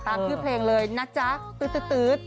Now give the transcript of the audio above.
ตามชื่อเพลงเลยนะจ๊ะตื๊ด